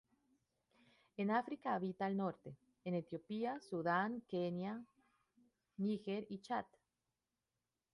En África habita al norte, en Etiopía, Sudán, Kenia, Níger y Chad.